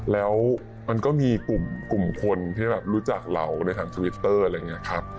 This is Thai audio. แล้วมันก็มีกลุ่มคนที่แบบรู้จักเราในทางทวิตเตอร์อะไรอย่างนี้ครับ